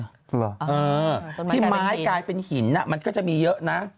หรือต้นไม้กลายเป็นหินที่ไม้กลายเป็นหินมันก็จะมีเยอะนะ